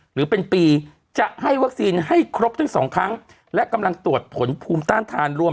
หรือเป็นปีจะให้วัคซีนให้ครบทั้งสองครั้งและกำลังตรวจผลภูมิต้านทานรวม